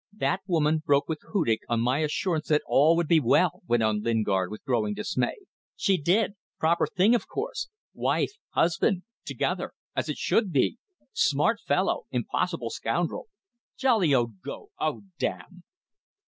"That woman broke with Hudig on my assurance that all would be well," went on Lingard, with growing dismay. "She did. Proper thing, of course. Wife, husband ... together ... as it should be ... Smart fellow ... Impossible scoundrel ... Jolly old go! Oh! damn!"